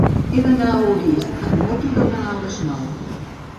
He d'anar a Orís amb moto demà a les nou.